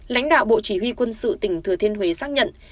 lãnh đạo bộ chỉ huy quân sự tỉnh thừa thiên huế xác nhận